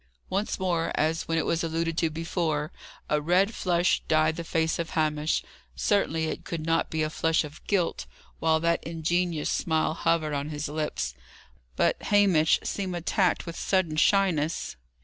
Once more, as when it was alluded to before, a red flush dyed the face of Hamish. Certainly, it could not be a flush of guilt, while that ingenuous smile hovered on his lips. But Hamish seemed attacked with sudden shyness.